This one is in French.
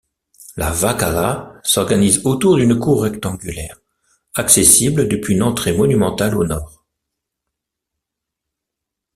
La wakâla s'organise autour d'une cour rectangulaire, accessible depuis une entrée monumentale au nord.